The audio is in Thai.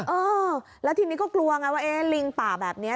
เออแล้วทีนี้ก็กลัวไงว่าลิงป่าแบบนี้